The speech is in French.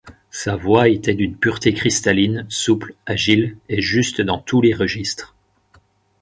Sa voix était d’une pureté cristalline, souple, agile et juste dans tous les registres.